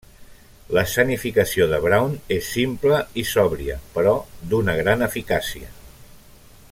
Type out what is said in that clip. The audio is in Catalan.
L'escenificació de Brown és simple i sòbria però d'una gran eficàcia.